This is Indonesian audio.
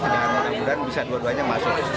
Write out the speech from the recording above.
dan mudah mudahan bisa dua duanya masuk